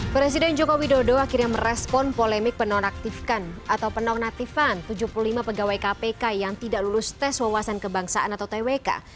presiden jokowi dodo akhirnya merespon polemik penonaktifkan atau penonaktifan tujuh puluh lima pegawai kpk yang tidak lulus tes wawasan kebangsaan atau twk